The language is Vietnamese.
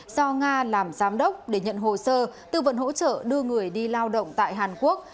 do nga làm giám đốc để nhận hồ sơ tư vận hỗ trợ đưa người đi lao động tại hàn quốc